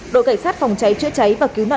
đội cảnh sát phòng cháy chữa cháy và cứu nạn